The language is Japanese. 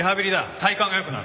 体幹が良くなる。